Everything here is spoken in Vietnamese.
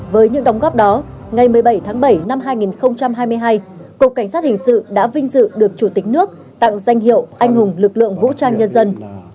với những đóng góp đó ngày một mươi bảy tháng bảy năm hai nghìn hai mươi hai cục cảnh sát hình sự đã vinh dự được chủ tịch nước tặng danh hiệu anh hùng lực lượng vũ trang nhân dân